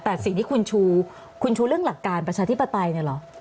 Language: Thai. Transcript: แต่สิ่งที่คุณชูคุณชูเรื่องหลักการประชาธิปไตยเนี่ยเหรอ